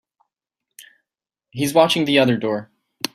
He's watching the other door.